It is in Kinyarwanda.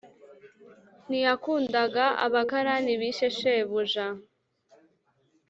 Ntiyakundaga abakarani bishe shebuja.